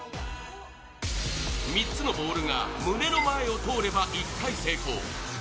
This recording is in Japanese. ３つのボールが胸の前を通れば１回成功。